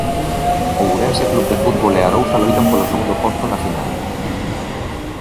Ourense Club de Fútbol e Arousa loitan polo segundo posto na final.